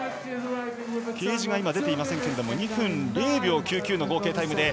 ゲージが出ていませんが２分０秒９９の合計タイム。